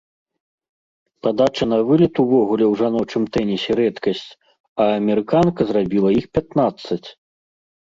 Падача на вылет увогуле ў жаночым тэнісе рэдкасць, а амерыканка зрабіла іх пятнаццаць.